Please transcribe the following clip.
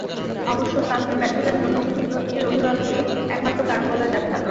অবশ্য সাফের ব্যর্থতার জন্য শুধু প্রস্তুতির অভাবকেই একমাত্র কারণ বলা যাবে না।